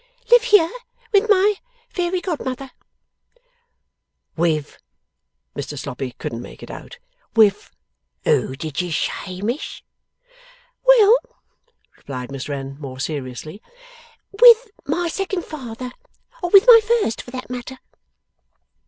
'Live here with my fairy godmother.' 'With;' Mr Sloppy couldn't make it out; 'with who did you say, Miss?' 'Well!' replied Miss Wren, more seriously. 'With my second father. Or with my first, for that matter.